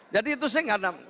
jadi itu saya gak nama